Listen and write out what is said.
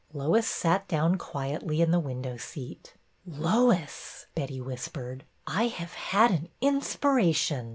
Lois sat down quietly in the window seat. '' Lois," Betty whispered, I have had an in spiration.